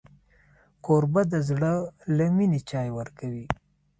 کوربه د زړه له مینې چای ورکوي.